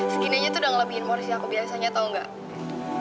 skinny nya tuh udah ngelebihin morris yang aku biasanya tau gak